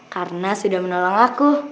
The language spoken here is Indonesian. karena sudah menolong aku